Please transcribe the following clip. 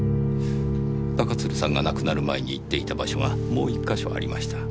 中津留さんが亡くなる前に行っていた場所がもう１か所ありました。